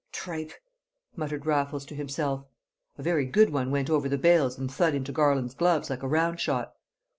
"Tripe!" muttered Raffles to himself. A very good one went over the bails and thud into Garland's gloves like a round shot.